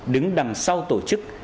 đứng đằng sau tổ chức